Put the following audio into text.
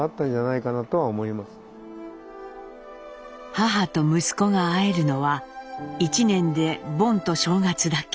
母と息子が会えるのは一年で盆と正月だけ。